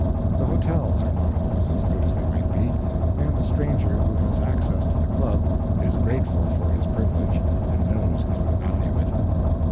The hotels are not always as good as they might be, and the stranger who has access to the Club is grateful for his privilege and knows how to value it.